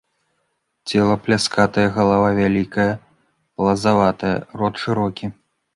Цела пляскатае, галава вялікая, плазаватая, рот шырокі.